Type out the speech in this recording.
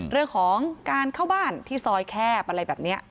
เรื่องของการเข้าบ้านที่ซอยแคบอะไรแบบนี้